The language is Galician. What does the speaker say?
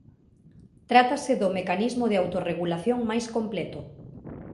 Trátase do mecanismo de autorregulación máis completo.